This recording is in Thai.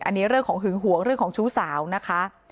อันนี้เรื่องของหึงหวงเรื่องของชู้สาวนะคะ